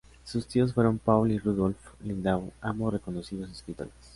Sus tíos fueron Paul y Rudolf Lindau, ambos, reconocidos escritores.